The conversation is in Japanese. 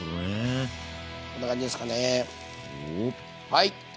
はい。